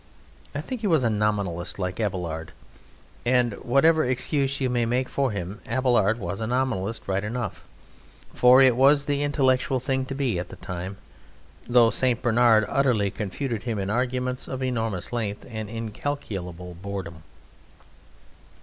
I think he was a Nominalist like Abelard: and whatever excuse you may make for him, Abelard was a Nominalist right enough, for it was the intellectual thing to be at the time, though St. Bernard utterly confuted him in arguments of enormous length and incalculable boredom.